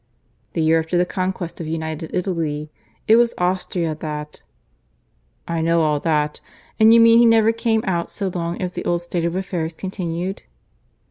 "The year after the conquest of United Italy. It was Austria that " "I know all that. And you mean he never came out so long as the old state of affairs continued?"